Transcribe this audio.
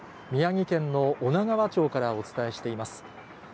宮城県の女川町からお伝えしています。